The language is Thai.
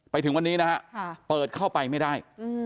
ไปถึงวันนี้นะฮะเปิดเข้าไปไม่ได้